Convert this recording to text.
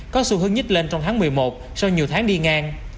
có xu hướng nhít lên trong tháng một mươi một sau nhiều tháng đi ngang